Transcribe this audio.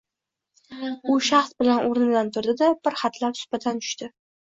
U shahd bilan o‘rnidan turdi-da, bir hatlab supadan tushdi.